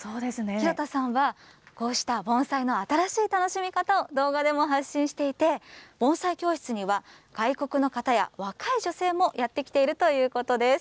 廣田さんは、こうした盆栽の新しい楽しみ方を動画でも配信していて、盆栽教室には、外国の方や若い女性もやって来ているということです。